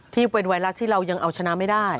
ที่เป็นไวรัสที่เรายังเอาชนะไม่ได้